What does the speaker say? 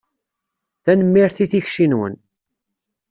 Tanemmirt i tikci-nwen.